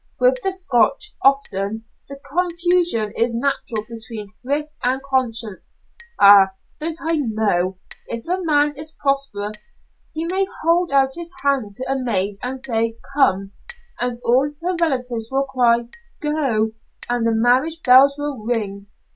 With the Scotch, often, the confusion is natural between thrift and conscience. Ah, don't I know! If a man is prosperous, he may hold out his hand to a maid and say 'Come,' and all her relatives will cry 'Go,' and the marriage bells will ring.